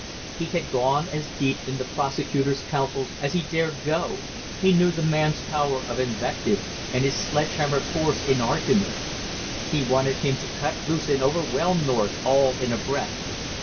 He had gone as deep in the prosecutor's counsels as he dared go, he knew the man's power of invective, and his sledge hammer force in argument; he wanted him to cut loose and overwhelm North all in a breath!